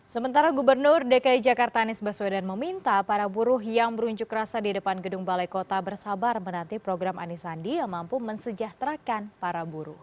sementara gubernur dki jakarta anies baswedan meminta para buruh yang berunjuk rasa di depan gedung balai kota bersabar menanti program anisandi yang mampu mensejahterakan para buruh